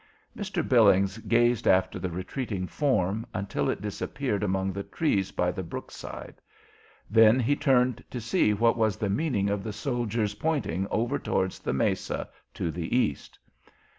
Mr. Billings gazed after the retreating form until it disappeared among the trees by the brook side; then he turned to see what was the meaning of the soldier's pointing over towards the mesa to the east.